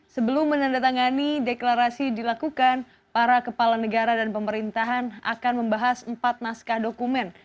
sebelum menandatangani deklarasi dilakukan para kepala negara dan pemerintahan akan membahas empat naskah dokumen